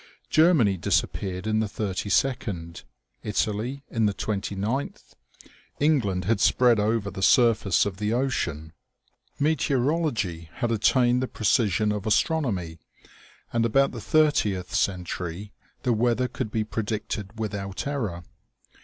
Ger many disappeared in the thirty second ; Italy in the twenty ninth ; England had spread over the surface of the ocean, OMEGA. 197 Meteorology had attained the precision of astronomy, and about the thirtieth century the weather could be pre dicted without error.